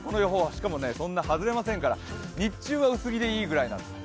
しかもそんな外れませんから日中は薄着でいいくらいなんです。